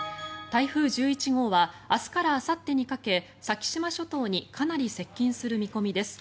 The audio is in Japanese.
台風１１号は明日からあさってにかけ先島諸島にかなり接近する見込みです。